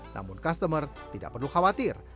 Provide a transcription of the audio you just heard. namun customer tidak perlu khawatir